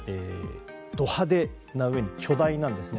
ド派手なうえに巨大なんですね。